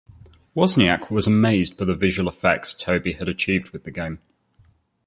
Wozniak was amazed by the visual effects Tobey had achieved with the game.